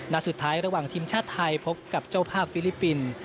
สุดท้ายระหว่างทีมชาติไทยพบกับเจ้าภาพฟิลิปปินส์